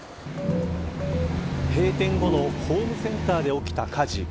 閉店後のホームセンターで起きた火事。